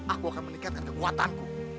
aku akan meningkatkan kekuatanku